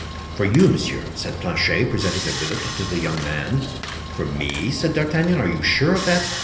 "For you, monsieur," said Planchet, presenting the billet to the young man. "For me?" said D'Artagnan; "are you sure of that?"